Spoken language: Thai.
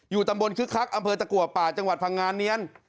ตำบลคึกคักอำเภอตะกัวป่าจังหวัดพังงานเนียน